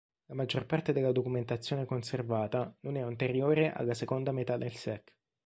La maggior parte della documentazione conservata non è anteriore alla seconda metà del sec.